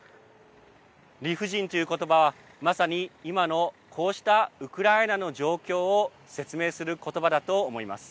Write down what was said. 理不尽ということばはまさに、今のこうしたウクライナの状況を説明することばだと思います。